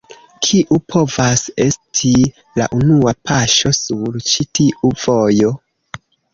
Kiu povas esti la unua paŝo sur ĉi tiu vojo?